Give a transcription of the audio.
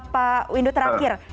pak windu terakhir